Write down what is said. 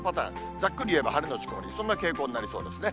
ざっくり言えば、晴れ後曇り、そんな傾向になりそうですね。